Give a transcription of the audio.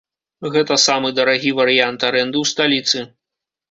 Гэта самы дарагі варыянт арэнды ў сталіцы.